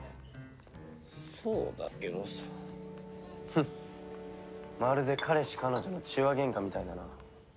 フッまるで彼氏彼女の痴話ゲンカみたいだな。